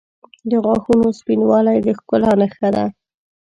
• د غاښونو سپینوالی د ښکلا نښه ده.